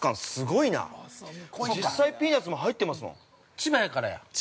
◆千葉やからや。